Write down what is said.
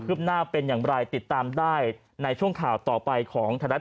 หน้าเป็นอย่างไรติดตามได้ในช่วงข่าวต่อไปของไทยรัฐ